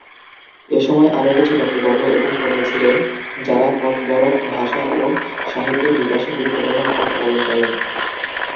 এসময় আরও কিছু ব্যক্তিবর্গ এবং কর্মী ছিলেন, যারা ককবরক ভাষা ও সাহিত্যের বিকাশে গুরুত্বপূর্ণ ভূমিকা পালন করেন।